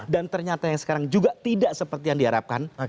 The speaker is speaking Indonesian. dan ternyata yang sekarang juga tidak seperti yang diharapkan